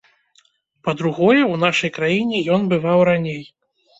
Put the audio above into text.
Па-другое, у нашай краіне ён бываў раней.